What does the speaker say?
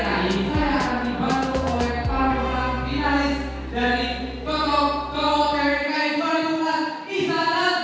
dari toko toko kkm banyumah isana tanpa